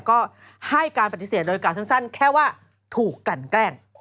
ก็ให้การปฏิเสธโดยการสั้นแค่ว่าถูกกันแกล้ง